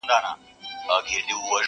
دا چي دي په سرو اناري سونډو توره نښه ده,